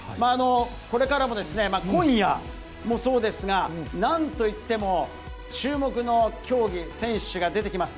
これからも今夜もそうですが、なんといっても、注目の競技、選手が出てきます。